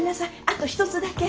あと一つだけ。